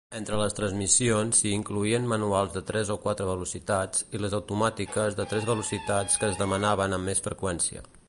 Entre les transmissions s"hi incloïen manuals de tres o quatre velocitats i les automàtiques de tres velocitats que es demanaven amb més freqüència.